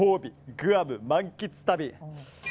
グアム満喫旅。